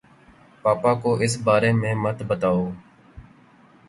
پاپا کو اِس بارے میں مت بتاؤ۔